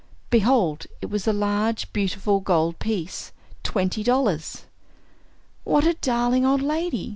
Behold, it was a large, beautiful gold piece, twenty dollars! "What a darling old lady!"